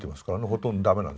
ほとんど駄目なんです。